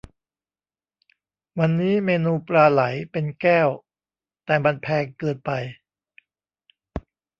วันนี้เมนูปลาไหลเป็นแก้ว แต่มันแพงเกินไป